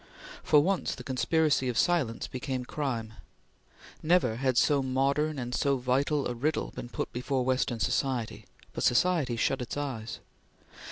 For once, the conspiracy of silence became crime. Never had so modern and so vital a riddle been put before Western society, but society shut its eyes.